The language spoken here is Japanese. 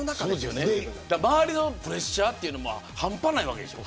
周りのプレッシャーというのが半端ないわけでしょ。